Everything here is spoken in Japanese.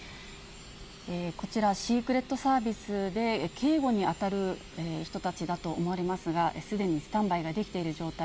こちら、シークレットサービスで警護に当たる人たちだと思われますが、すでにスタンバイができている状態。